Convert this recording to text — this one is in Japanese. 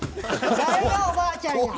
誰がおばあちゃんや。